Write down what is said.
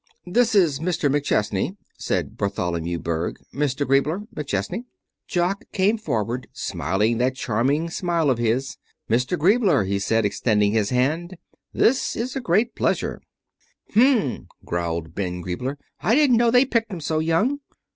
"This is Mr. McChesney," said Bartholomew Berg. "Mr. Griebler, McChesney." Jock came forward, smiling that charming smile of his. "Mr. Griebler," he said, extending his hand, "this is a great pleasure." "Hm!" growled Ben Griebler, "I didn't know they picked 'em so young."